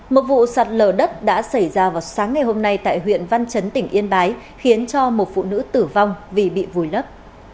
một vụ sạt lở đất đã xảy ra vào sáng ngày hôm nay tại huyện văn chấn tỉnh yên bái khiến cho một phụ nữ tử vong vì bị vùi lấp